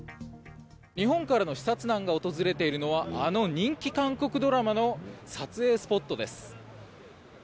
日本からの視察団が訪れているのはあの人気韓国ドラマの撮影スポットです。